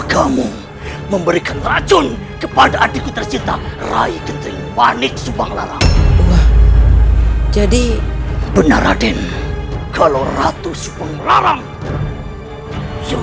sampai jumpa di video selanjutnya